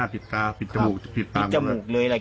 ปิดจมูกเลยแหละ